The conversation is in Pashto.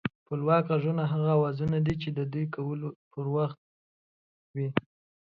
خپلواک غږونه هغه اوازونه دي چې د دوی کولو پر وخت